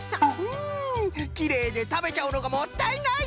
うんきれいでたべちゃうのがもったいない！